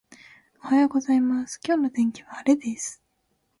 おはようございます、今日の天気は晴れです。